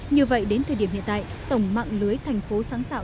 như vậy đến thời điểm hiện tại tổng mạng lưới thành phố sáng tạo